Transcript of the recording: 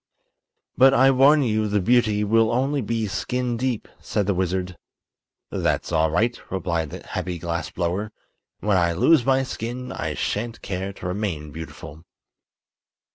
"But I warn you the beauty will only be skin deep," said the wizard. "That's all right," replied the happy glass blower; "when I lose my skin I shan't care to remain beautiful."